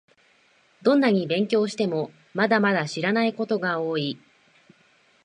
どんなに勉強しても、まだまだ知らないことが多い